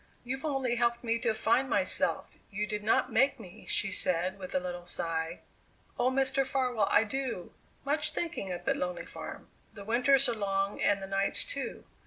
"You've only helped me to find myself; you did not make me," she said with a little sigh. "Oh, Mr. Farwell, I do much thinking up at Lonely Farm. The winters are long, and the nights, too.